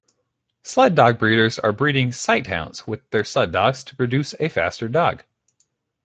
Sled-dog breeders are breeding sighthounds with their sled dogs to produce a faster dog.